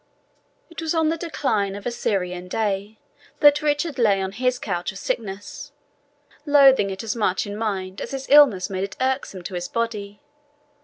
It was on the decline of a Syrian day that Richard lay on his couch of sickness, loathing it as much in mind as his illness made it irksome to his body.